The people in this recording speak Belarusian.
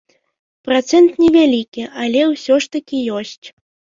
Працэнт невялікі, але ўсё ж такі ёсць.